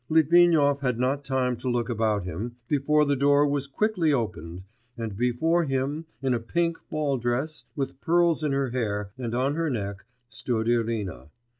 Litvinov had not time to look about him, before the door was quickly opened, and before him in a pink ball dress, with pearls in her hair and on her neck, stood Irina.